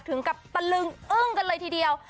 ถึงกับตะลึงอึ้งกันเลยทีเดียว